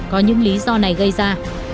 có những lý do này gây ra